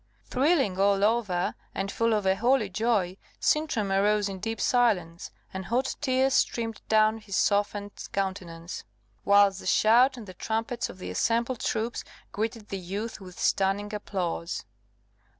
Thrilling all over, and full of a holy joy, Sintram arose in deep silence, and hot tears streamed down his softened countenance, whilst the shout and the trumpets of the assembled troops greeted the youth with stunning applause.